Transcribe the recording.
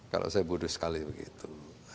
kalau saya bodoh sekali begitu